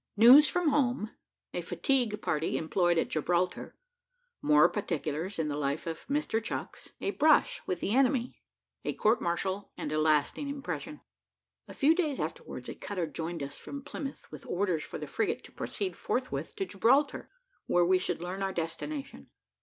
NEWS FROM HOME A "FATIGUE" PARTY EMPLOYED AT GIBRALTAR MORE PARTICULARS IN THE LIFE OF MR. CHUCKS A BRUSH WITH THE ENEMY A COURT MARTIAL AND A LASTING IMPRESSION. A few days afterwards, a cutter joined us from Plymouth with orders for the frigate to proceed forthwith to Gibraltar, where we should learn our destination.